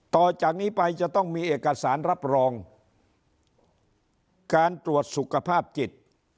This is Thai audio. ต่อจากนี้ไปจะต้องมีเอกสารรับรองการตรวจสุขภาพจิต